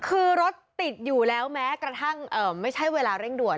คือรถติดอยู่แล้วแม้กระทั่งไม่ใช่เวลาเร่งด่วน